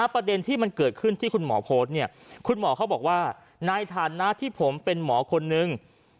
ประเด็นที่มันเกิดขึ้นที่คุณหมอโพสต์เนี่ยคุณหมอเขาบอกว่าในฐานะที่ผมเป็นหมอคนนึง